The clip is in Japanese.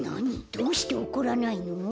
どうして怒らないの？